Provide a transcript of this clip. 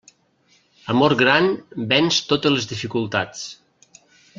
Amor gran venç totes les dificultats.